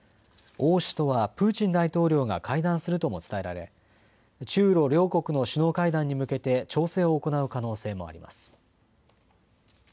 王氏とはプーチン大統領が会談するとも伝えられ中ロ両国の首脳会談に向けて調整を行う可能性もあります。